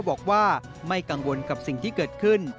บอกว่าไม่กังวลกับสิ่งที่เกิดขึ้น